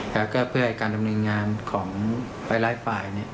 แล้วก็เพื่อให้การดำเนินงานของหลายฝ่าย